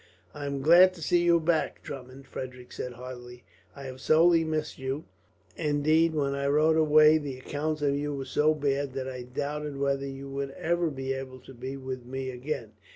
"I am glad to see you back, Drummond," Frederick said heartily. "I have sorely missed you; and indeed, when I rode away the accounts of you were so bad that I doubted whether you would ever be able to be with me again.